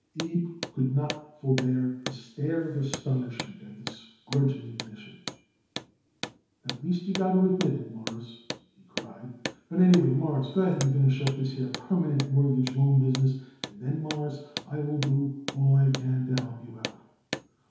Abe could not forbear a stare of astonishment at this grudging admission. "At last you got to admit it, Mawruss," he cried; "but anyhow, Mawruss, go ahead and finish up this here permanent mortgage loan business, and then, Mawruss, I will do all I can to help you out."